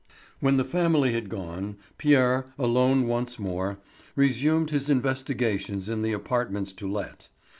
When the family had gone, Pierre, alone once more, resumed his investigations in the apartments to let.